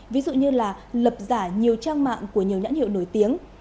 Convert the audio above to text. ví dụ như là lập giả nhiều trang mạng của nhiều nhãn hiệu nổi tiếng